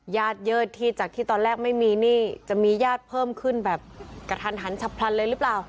ญาติเยิดที่จากที่ตอนแรกไม่มีหนี้จะมีญาติเพิ่มขึ้นแบบกระทันหันฉับพลันเลยหรือเปล่า